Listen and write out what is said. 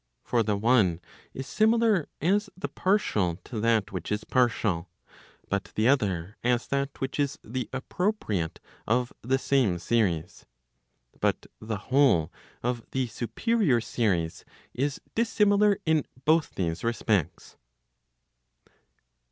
For the one is similar as the partial to that which is partial, but the other as that which is the appropriate of the same series. But the whole of the superior series is dissimilar in both these respects.